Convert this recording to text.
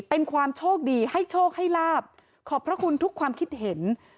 เป็นความโชคดีให้โชคให้ลาบขอบพระคุณทุกความคิดเห็น